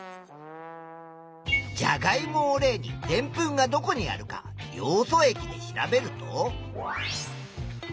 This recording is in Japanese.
じゃがいもを例にでんぷんがどこにあるかヨウ素液で調べると。